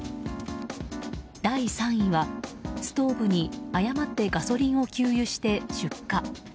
第３位はストーブに誤ってガソリンを給油して出火。